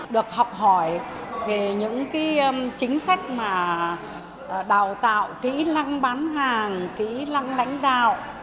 được học hỏi về những chính sách mà đào tạo kỹ lăng bán hàng kỹ lăng lãnh đạo